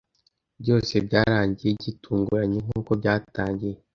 Byose byarangiye gitunguranye nkuko byatangiye.